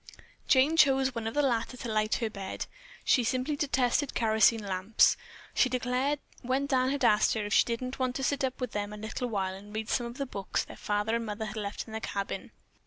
Jane chose one of the latter to light her to bed. She simply detested kerosene lamps, she declared when Dan had asked if she didn't want to sit up with them a little while and read some of the books their father and mother had left in the cabin.